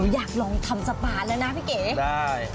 อยากลองทำสปาแล้วนะพี่เก๋ใช่